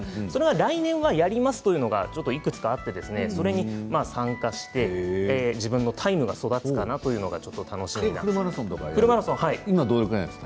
来年はやりますというのがいくつかあってそれに参加して自分のタイムが育つかな？というフルマラソン？